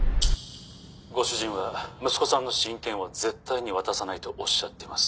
「ご主人は息子さんの親権は絶対に渡さないとおっしゃっています」